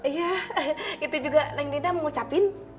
iya itu juga neng dina mau ngucapin